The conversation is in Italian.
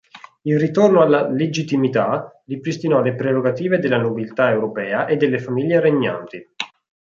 Il ritorno alla "legittimità" ripristinò le prerogative della nobiltà europea e delle famiglie regnanti.